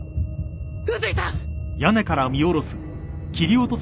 宇髄さん！！